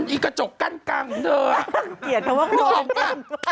อีกกระจกกั้นกั้นเด้อเหียดคำว่าคนนึกออกป่ะ